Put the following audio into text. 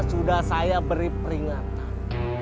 sudah saya beri peringatan